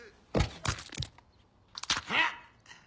あっ！